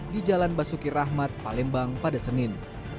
di jalan basuki rahmat palembang pada senin